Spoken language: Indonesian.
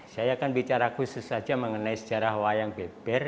saya akan bicara khusus saja mengenai sejarah wayang beber